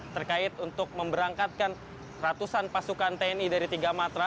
terkait untuk memberangkatkan ratusan pasukan tni dari tiga matra